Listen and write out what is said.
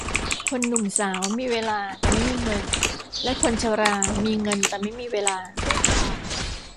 คนหนุ่มสาวมีเวลาแต่ไม่มีเงิน และคนชรามีเงินแต่ไม่มีเวลา